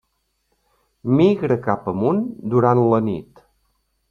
Migra cap amunt durant la nit.